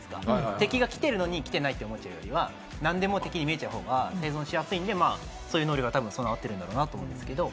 敵が来てるのに来てないと思っちゃうよりは、何でも敵に見えちゃう方が生存しやすいんで、そういう能力が多分備わってるんじゃないかなと思うんですけれども。